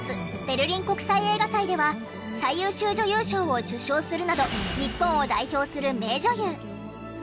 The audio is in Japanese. ベルリン国際映画祭では最優秀女優賞を受賞するなど日本を代表する名女優。